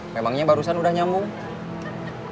memangnya barusan udah nyambung